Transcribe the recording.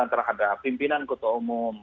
umum ada pimpinan kudeta umum